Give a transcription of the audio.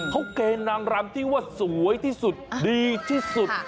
เขาแกลนนางรำที่สวยที่สุดดีที่สุด